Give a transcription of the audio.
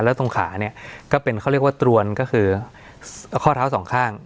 แล้วตรงขาเนี่ยก็เป็นเขาเรียกว่าตรวนก็คือข้อเท้าสองข้าง